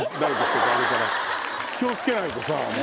気を付けないとさ。